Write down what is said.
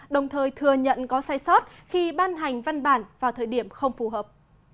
đồng thời thừa nhận có sai sót khi ban hành văn bản vào thời điểm không phù hợp